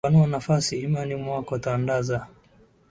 Panua nafasi imani mwako Tandaza